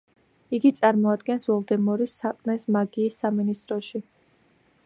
იგი წარმოადგენს ვოლდემორის საყრდენს მაგიის სამინისტროში.